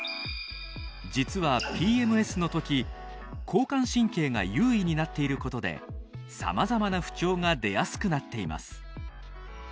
実はＰＭＳの時交感神経が優位になっていることでさまざまな不調が出やすくなっています。